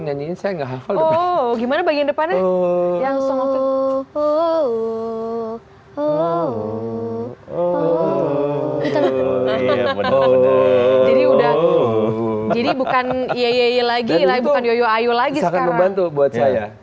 gimana bagian depannya